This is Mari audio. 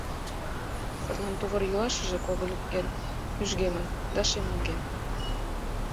Садлан тувыр-йолашыже когыльген кӱжгемын да шемалген.